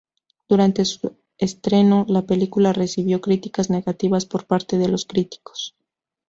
Durante su estreno, la película recibió críticas negativas por parte de los críticos.